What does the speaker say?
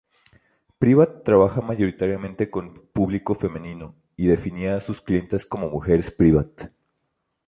Privat trabajaba mayoritariamente con público femenino y definía a sus clientas como "mujeres Privat".